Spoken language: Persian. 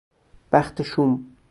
بخت شوم